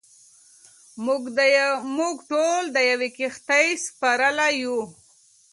موږ ټول د یوې کښتۍ سپرلۍ یو.